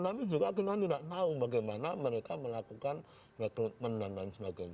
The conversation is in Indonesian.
tapi juga kita tidak tahu bagaimana mereka melakukan rekrutmen dan lain sebagainya